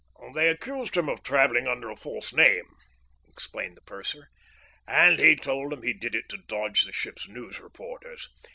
"They accused him of travelling under a false name," explained the purser, "and he told 'em he did it to dodge the ship's news reporters.